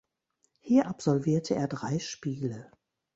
Hier absolvierte er drei Spiele.